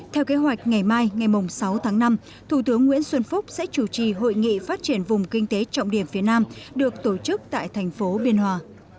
theo kế hoạch ngày mai ngày sáu tháng năm thủ tướng nguyễn xuân phúc sẽ chủ trì hội nghị phát triển vùng kinh tế trọng điểm phía nam được tổ chức tại thành phố biên hòa